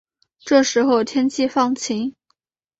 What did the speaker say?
这时候天气放晴